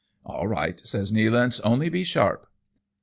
" All right/' says Nealance, " only be sharp."